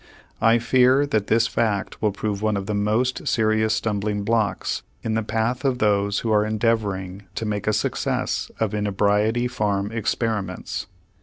I fear that this fact will prove one of the most serious stumbling blocks in the path of those who are endeavoring to make a success of inebriety farm experiments.